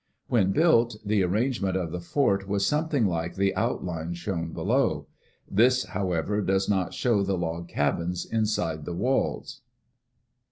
When built, the arrangement of the fort was some thing like the outline shown below. This, however, does not show the log cabins inside the walls.